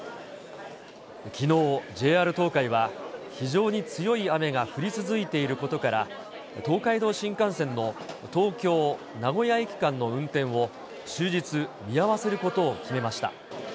きのう、ＪＲ東海は、非常に強い雨が降り続いていることから、東海道新幹線の東京・名古屋駅間の運転を終日、見合わせることを決めました。